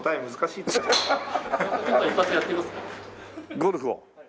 ゴルフを？